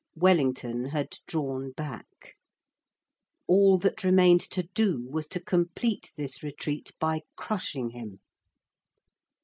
Wellington had drawn back. All that remained to do was to complete this retreat by crushing him.